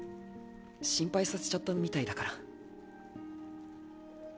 心配させちゃったみたいだから。